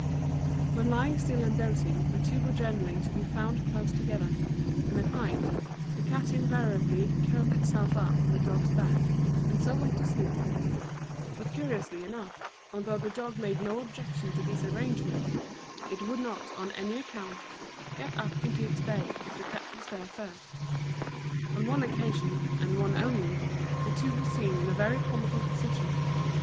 When lying still and dozing, the two were generally to be found close together, and at night the cat invariably curled itself up on the dog's back, and so went to sleep; but curiously enough, although the dog made no objection to this arrangement, it would not on any account get up into its bed if the cat was there first. On one occasion, and one only, the two were seen in a very comical position.